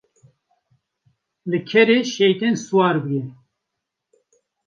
Li kerê şeytên siwar bûye.